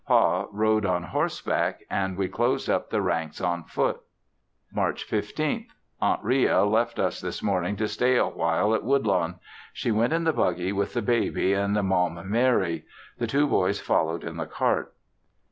Pa rode on horse back and we closed up the ranks on foot. March 15th. Aunt Ria left us this morning to stay a while at Woodlawn. She went in the buggy with the baby and Maum Mary; the two boys followed in the cart.